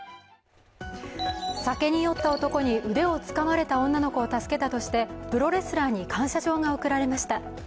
酒に酔った男に腕をつかまれた女の子を助けたとしてプロレスラーに感謝状が贈られました。